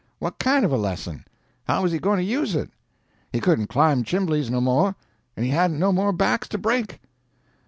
What kind of a lesson? How was he going to use it? He couldn't climb chimblies no more, and he hadn't no more backs to break."